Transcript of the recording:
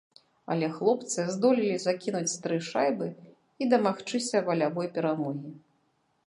Але хлопцы здолелі закінуць тры шайбы і дамагчыся валявой перамогі.